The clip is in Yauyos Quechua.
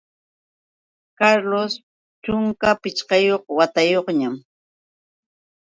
Carlos chunka pichqayuq watayuqñam.